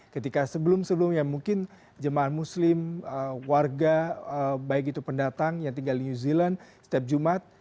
ketika sebelum sebelumnya mungkin jemaah muslim warga baik itu pendatang yang tinggal di new zealand setiap jumat